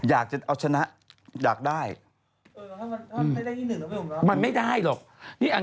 อยากเอาชนะอยากได้